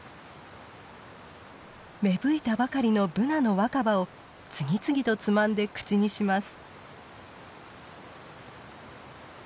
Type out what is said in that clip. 芽吹いたばかりのブナの若葉を次々とつまんで口にします。